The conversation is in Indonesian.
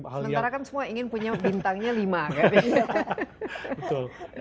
sementara kan semua ingin punya bintangnya lima